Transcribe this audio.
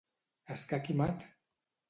Escac i mat!